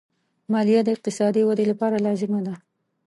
مالیه د اقتصادي ودې لپاره لازمي ده.